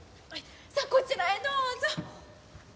さあこちらへどうぞ！